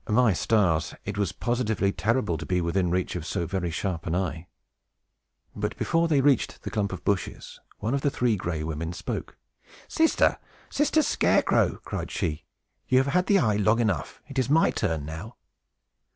My stars! it was positively terrible to be within reach of so very sharp an eye! But, before they reached the clump of bushes, one of the Three Gray Women spoke. "Sister! Sister Scarecrow!" cried she, "you have had the eye long enough. It is my turn now!"